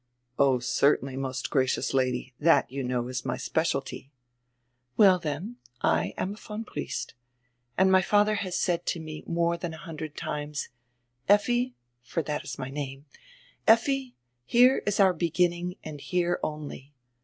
"Oh, certainly, most gracious Lady, diat, you know, is my specialty." "Well dien I am a von Briest. And my fadier has said to me more dian a hundred times: Lffi, — for diat is my name — Lffi, here is our beginning, and here only.